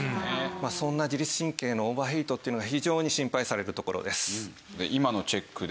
そんな自律神経のオーバーヒートっていうのが非常に心配されるところです。